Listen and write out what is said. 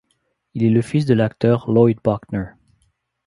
Il est le fils de l'acteur Lloyd Bochner.